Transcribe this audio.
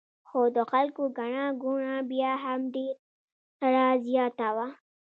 خو د خلکو ګڼه ګوڼه بیا هم ډېره زیاته وه.